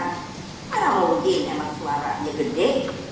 karena mungkin emang suaranya gede